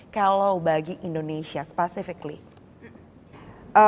kalau bagi indonesia specifically